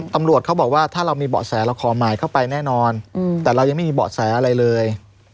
ตำรวจเขาบอกว่าถ้าเรามีเบาะแสเราขอหมายเข้าไปแน่นอนแต่เรายังไม่มีเบาะแสอะไรเลย